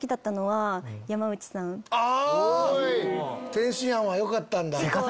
天津飯はよかったんだ。